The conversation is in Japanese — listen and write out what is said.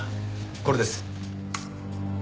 これです。